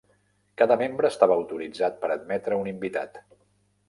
Cada membre estava autoritzat per admetre un invitat.